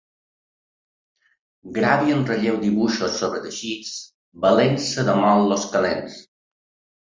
Gravi en relleu dibuixos sobre teixits, valent-se de motllos calents.